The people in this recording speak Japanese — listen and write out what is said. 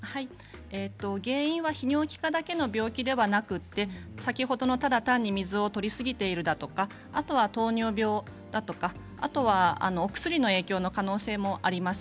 原因は泌尿器科だけの原因ではなく、水をとりすぎとかあとは糖尿病だとかあとはお薬の影響の可能性もあります。